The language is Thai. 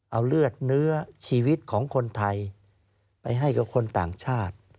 เอาเลือดเนื้อชีวิตของคนไทยไปให้กับคนต่างชาติ